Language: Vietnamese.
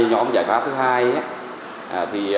nhóm giải pháp thứ hai